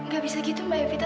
gak bisa gitu mbak evita